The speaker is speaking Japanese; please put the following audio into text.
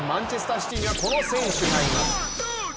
シティにはこの選手がいます。